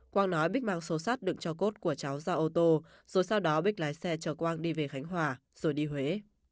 quang nói bích mang xô sắt đựng cho cốt của cháu ra ô tô rồi sau đó bích lái xe chờ quang đi về khánh hòa rồi đi huế